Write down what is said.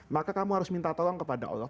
maka kamu harus minta tolong kepada allah